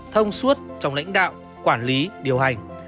thông suốt trong lãnh đạo quản lý điều hành